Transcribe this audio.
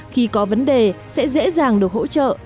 khi có vấn đề sẽ dễ dàng được hỗ trợ